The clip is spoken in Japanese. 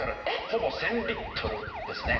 ほぼ１０００リットルですね。